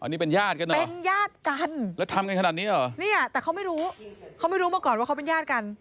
นี่เป็นญาติกันนะเป็นญาติกันแล้วทำกันขนาดนี้เหรอเนี่ยแต่เขาไม่รู้เขาไม่รู้มาก่อนว่าเขาเป็นญาติกัน